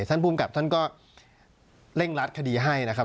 ภูมิกับท่านก็เร่งรัดคดีให้นะครับ